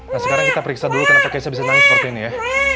nah sekarang kita periksa dulu kenapa caca bisa nana seperti ini ya